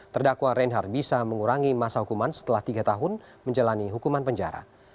terdakwa reinhard bisa mengurangi masa hukuman setelah tiga tahun menjalani hukuman penjara